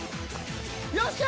よっしゃ！